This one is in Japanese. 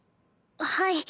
はい。